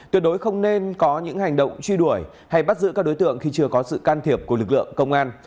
tuyệt đối không nên có những hành động truy đuổi hay bắt giữ các đối tượng khi chưa có sự can thiệp của lực lượng công an